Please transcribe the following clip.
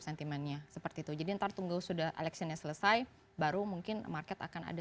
sentimennya seperti itu jadi ntar tunggu sudah electionnya selesai baru mungkin market akan ada